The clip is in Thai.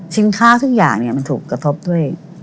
สินค้าทุกอย่างเนี่ยมันถูกกระทบด้วย